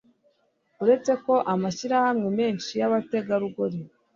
uretse ko amashyirahamwe menshi y'abategarugori